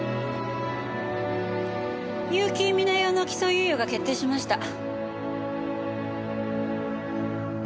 結城美奈世の起訴猶予が決定しました。